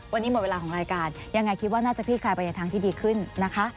วันนี้หมดเวลาของรายการยังไงคิดว่าน่าจะคลี่คลายไปในทางที่ดีขึ้นนะคะ